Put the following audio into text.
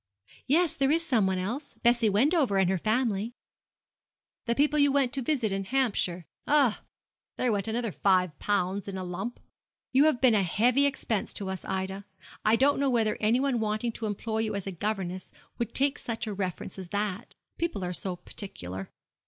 'Yes, there is some one else. Bessie Wendover and her family.' 'The people you went to visit in Hampshire. Ah! there went another five pounds in a lump. You have been a heavy expense to us, Ida. I don't know whether anyone wanting to employ you as a governess would take such a reference as that. People are so particular.